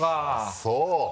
そう。